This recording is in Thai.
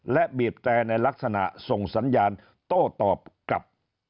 และบีบแต่ในลักษณะส่งสัญญาณโต้ตอบกลับ